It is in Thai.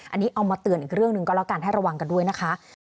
อันนี้เอามาเตือนอีกเรื่องหนึ่งก็แล้วกันให้ระวังกันด้วยนะคะ